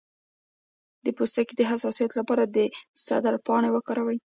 د پوستکي د حساسیت لپاره د سدر پاڼې وکاروئ